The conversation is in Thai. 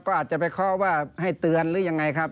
ก็อาจจะไปเคาะว่าให้เตือนหรือยังไงครับ